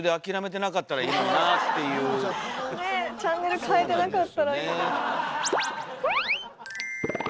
ねえチャンネル替えてなかったらいいなあ。